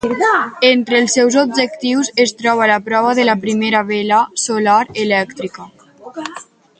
Entre els seus objectius es troba la prova de la primera vela solar elèctrica.